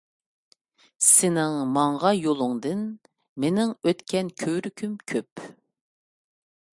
سېنىڭ ماڭغان يولۇڭدىن، مېنىڭ ئۆتكەن كۆۋرۈكۈم كۆپ.